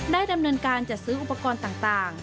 ดำเนินการจัดซื้ออุปกรณ์ต่าง